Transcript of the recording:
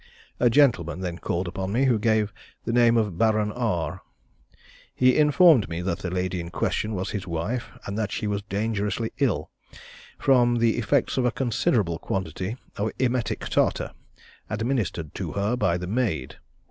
A gentleman then called upon me, who gave the name of the Baron R. He informed me that the lady in question was his wife, and that she was dangerously ill from the effects of a considerable quantity of emetic tartar, administered to her by the maid.